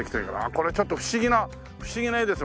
これちょっと不思議な不思議な絵ですね。